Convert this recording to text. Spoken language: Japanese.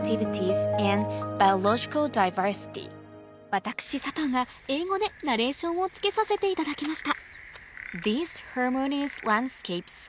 私佐藤が英語でナレーションをつけさせていただきました